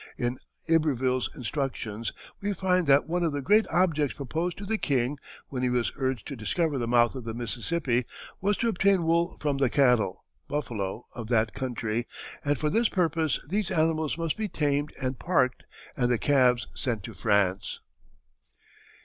In Iberville's instructions we find that "one of the great objects proposed to the king, when he was urged to discover the mouth of the Mississippi, was to obtain wool from the cattle (buffalo) of that country, and for this purpose these animals must be tamed and parked and the calves sent to France."